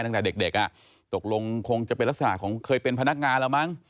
ตั้งแต่เด็กตกลงคงจะเป็นลักษณะของเคยเป็นพนักงานแล้วมั้ง